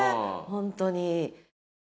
本当に。